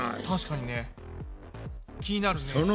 確かにね気になるね。